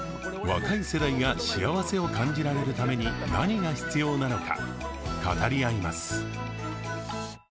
若い世代が幸せを感じられるために何が必要なのか語り合います。